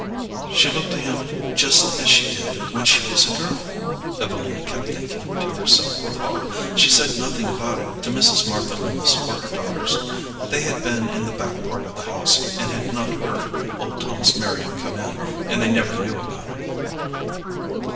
"She looked to him just as she did when she was a girl," Evelina kept thinking to herself with awe. She said nothing about it to Mrs. Martha Loomis or her daughters. They had been in the back part of the house, and had not heard old Thomas Merriam come in, and they never knew about it.